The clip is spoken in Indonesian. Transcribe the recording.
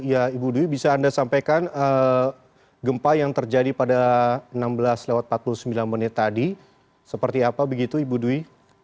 ya ibu dwi bisa anda sampaikan gempa yang terjadi pada enam belas empat puluh sembilan menit tadi seperti apa begitu ibu dwi